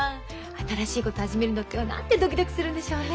新しいこと始めるのってなんてドキドキするんでしょうね！